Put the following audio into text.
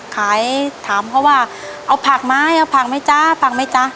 ขายถามเขาว่าเอาผักไหมเอาผักไหมจ๊ะผักไหมจ๊ะ